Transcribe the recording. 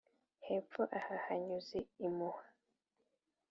Hepfo aha hanyuze impuha.